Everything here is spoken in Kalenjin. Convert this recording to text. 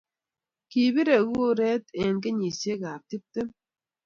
Kibirei kuret eng kenyishiekab tuptem